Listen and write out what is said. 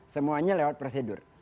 semuanya lewat prosedur